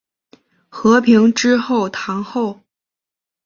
和平之后堂后。